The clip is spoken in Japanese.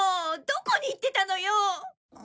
どこに行ってたのよ！